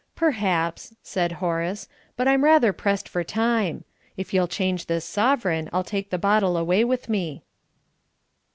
"Perhaps," said Horace, "but I'm rather pressed for time. If you'll change this sovereign, I'll take the bottle away with me."